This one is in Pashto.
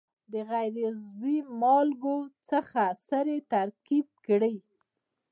د غیر عضوي مالګو څخه سرې ترکیب کړي.